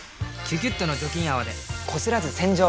「キュキュット」の除菌泡でこすらず洗浄！